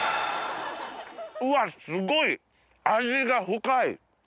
うわっすごい味が深い。